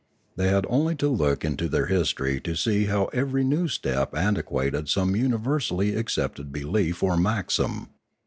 They had only to look into their history to see how every new step antiquated some universally accepted belief or maxim.